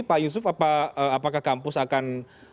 pak yusuf apakah kampus akan